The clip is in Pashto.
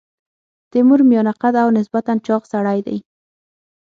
تیمور میانه قده او نسبتا چاغ سړی دی.